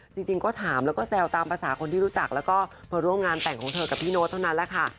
จริงก็ถามแล้วก็แซวตามภาษาคนที่รู้จักแล้วก็มาร่วมงานแต่งของเธอกับพี่โน๊ตเท่านั้นแหละค่ะ